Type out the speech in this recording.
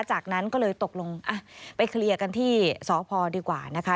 จากนั้นก็เลยตกลงไปเคลียร์กันที่สพดีกว่านะคะ